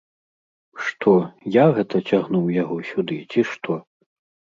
Што, я гэта цягнуў яго сюды, ці што?